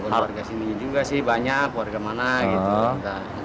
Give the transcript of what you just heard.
buat warga sini juga sih banyak warga mana gitu